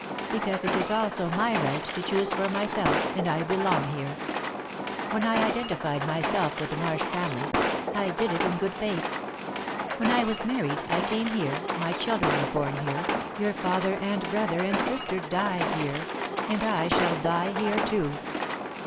"Because it is also my right to choose for myself and I belong here. When I identified myself with the Marsh family, I did it in good faith. When I was married, I came here, my children were born here, your father and brother and sister died here, and I shall die here too.